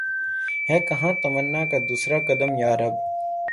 ہے کہاں تمنا کا دوسرا قدم یا رب